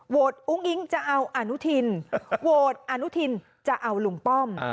อุ้งอิ๊งจะเอาอนุทินโหวตอนุทินจะเอาลุงป้อม